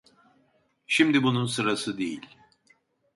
Şimdi bunun sırası değil.